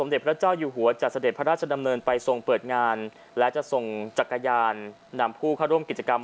และจะส่งจักรยานนำผู้เข้าร่วมกิจกรรม